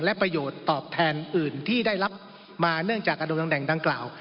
และประโยชน์ตอบแทนอื่นที่ได้รับมาเนื่องจากอาดำแหงดังกล่าว